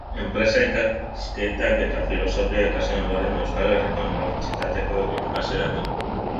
Enpresa-ikasketak eta filosofia ikasi ondoren, Euskal Herriko Unibertsitateko irakaslea da.